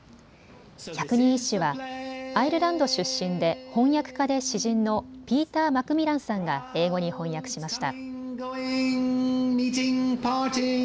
百人一首はアイルランド出身で翻訳家で詩人のピーター・マクミランさんが英語に翻訳しました。